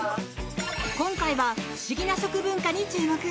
今回は不思議な食文化に注目。